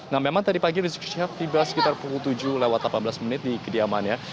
nah memang tadi pagi rizik syihab tiba sekitar pukul tujuh lewat delapan belas menit di kediamannya